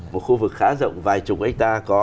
một khu vực khá rộng vài chục hectare có